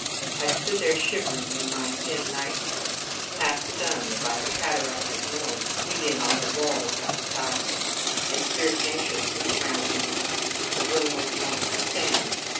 I stood there shivering in my thin nightdress, half stunned by the cataract of noise beating on the walls outside, and peered anxiously around me. The room was not the same.